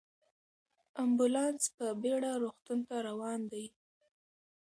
امبولانس په بیړه روغتون ته روان دی.